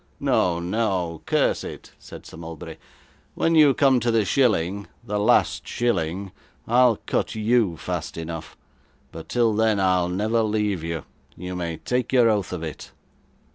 'No, no, curse it,' said Sir Mulberry. 'When you come to the shilling the last shilling I'll cut you fast enough; but till then, I'll never leave you you may take your oath of it.